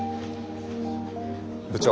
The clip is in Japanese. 部長。